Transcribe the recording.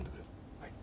はい。